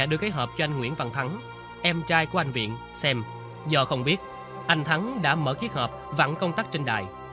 hùng đưa cái hộp cho anh nguyễn văn thắng em trai của anh viện xem do không biết anh thắng đã mở cái hộp vặn công tắc trên đài